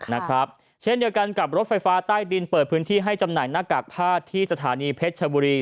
นะครับเช่นเดียวกันกับรถไฟฟ้าใต้ดินเปิดพื้นที่ให้จำหน่ายหน้ากากผ้าที่สถานีเพชรชบุรี